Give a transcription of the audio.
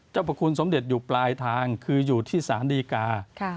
เจ้าประคุณสมเด็จอยู่ปลายทางคืออยู่ที่ศาลดีกาค่ะ